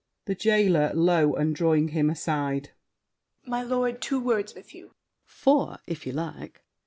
THE JAILER (low, and drawing him aside). My lord, two words with you. SAVERNY. Four, if you like.